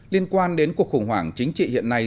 liên quan đến cuộc khủng hoảng chính trị hiện nay